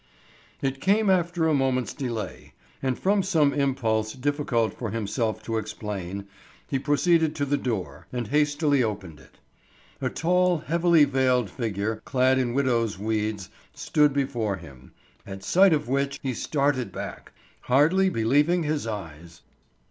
It came after a moment's delay, and from some impulse difficult for himself to explain, he proceeded to the door, and hastily opened it. A tall, heavily veiled figure, clad in widow's weeds, stood before him, at sight of which he started back, hardly believing his eyes.